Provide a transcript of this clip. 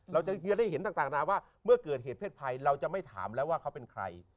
เราจะได้เห็นต่างนานาว่าเมื่อเกิดเหตุเพศภัยเราจะไม่ถามแล้วว่าเขาเป็นใคร